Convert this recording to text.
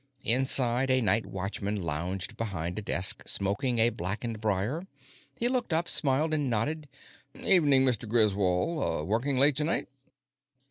Inside, a night watchman lounged behind a desk, smoking a blackened briar. He looked up, smiled, and nodded. "Evening, Mr. Griswold; working late tonight?"